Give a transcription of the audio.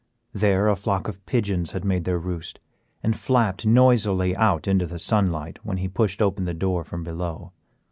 There a flock of pigeons had made their roost, and flapped noisily out into the sunlight when he pushed open the door from below.